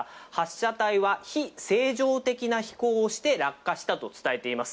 発射体は非正常的な飛行をして落下したと伝えています。